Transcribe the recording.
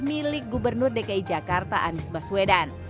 milik gubernur dki jakarta anies baswedan